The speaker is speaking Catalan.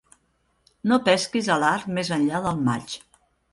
No pesquis a l'art més enllà del maig.